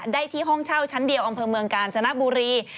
ได้ที่ห้องเช่าชั้นเดียวอำเภอเมืองกาญจนบุรี